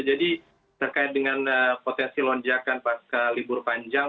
jadi terkait dengan potensi lonjakan pasca libur panjang